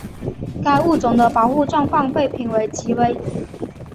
该物种的保护状况被评为极危。